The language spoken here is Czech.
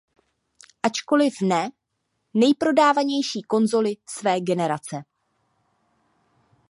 Ačkoliv ne nejprodávanější konzoli své generace.